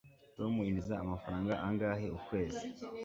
tom yinjiza amafaranga angahe ukwezi